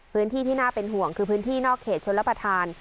พื้นที่ที่น่าเป็นห่วงคือพื้นที่นอกเขตชนละประธาน